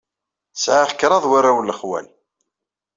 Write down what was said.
Sɛiɣ kraḍ warraw n lexwal.